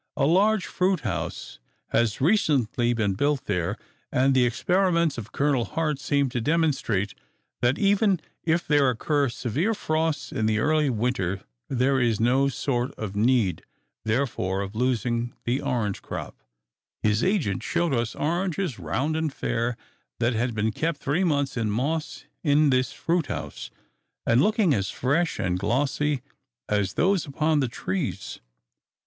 A large fruit house has recently been built there; and the experiments of Col. Harte seem to demonstrate, that, even if there occur severe frosts in the early winter, there is no sort of need, therefore, of losing the orange crop. His agent showed us oranges round and fair that had been kept three months in moss in this fruit house, and looking as fresh and glossy as those upon the trees.